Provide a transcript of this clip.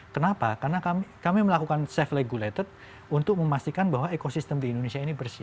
kenapa karena kami melakukan safe regulated untuk memastikan bahwa ekosistem di indonesia ini bersih